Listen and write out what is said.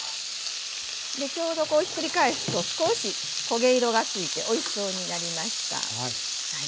ちょうどこうひっくり返すと少し焦げ色がついておいしそうになりました。